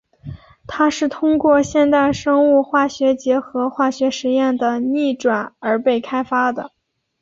它是通过现代生物化学结合化学实验的逆转而被开发的。